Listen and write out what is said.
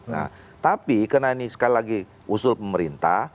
nah tapi karena ini sekali lagi usul pemerintah